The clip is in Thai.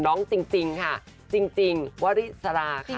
น้องจริงค่ะจริงว่าริสาระค่ะ